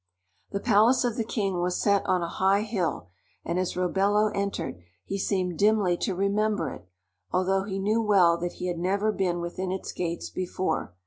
The palace of the king was set on a high hill, and as Robello entered, he seemed dimly to remember it, although he knew well that he had never been within its gates before.